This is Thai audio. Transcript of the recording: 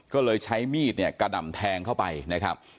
ก็เลยใช้มีดกระด่ำแทงเข้าไปนะครับ